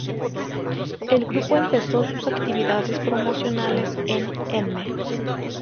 El grupo empezó sus actividades promocionales en "M!